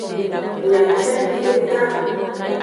Miacen videka.